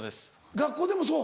学校でもそう？